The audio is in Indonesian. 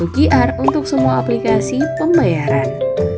satu qr untuk semua aplikasi pembayaran